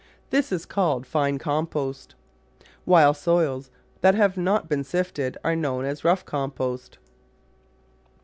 This is called fine compost, while soils that have not been sifted are known as rough compost.